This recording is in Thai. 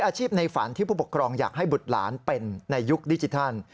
อาชีพในฝันที่ผู้ปกครองอยากให้บุตรหลานเป็นในยุคดิจิทัล